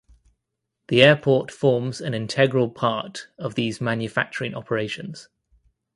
The airport forms an integral part of these manufacturing operations.